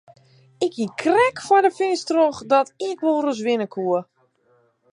Ik hie krekt foar de finish troch dat ik wol ris winne koe.